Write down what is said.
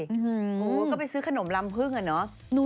โอ้ก็ไปซื้อขนมลำพรึ่งน่ะเนอะ